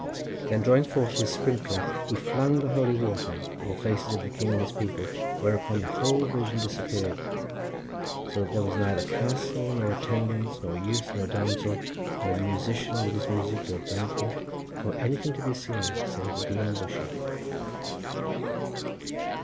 Then drawing forth his sprinkler, he flung the holy water in the faces of the king and his people, whereupon the whole vision disappeared, so that there was neither castle nor attendants, nor youth nor damsel, nor musician with his music, nor banquet, nor anything to be seen save the green bushes.